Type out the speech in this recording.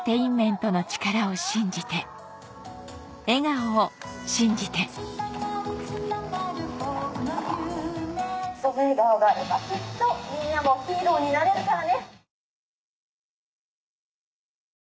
その笑顔があればきっとみんなもヒーローになれるからね！